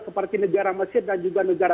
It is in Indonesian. seperti negara negara yang berada di luar negara